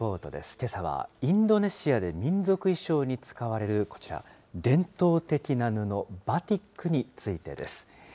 けさはインドネシアで民族衣装に使われるこちら、伝統的な布、バティックについてです。